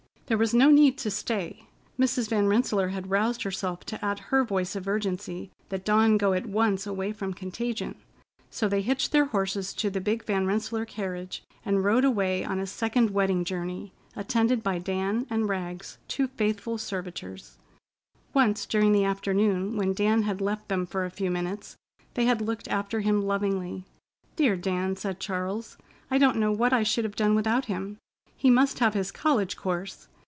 There was no need to stay. Mrs. Van Rensselaer had roused herself to add her voice of urgency that Dawn go at once away from contagion. So they hitched their horses to the big Van Rensselaer carriage and rode away on a second wedding journey, attended by Dan and Rags, two faithful servitors. Once during the afternoon, when Dan had left them for a few minutes, they had looked after him lovingly: "Dear Dan!" said Charles. "I don't know what I should have done without him. He must have his college course.